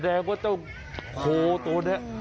แสดงว่าเจ้าโคตัวนี้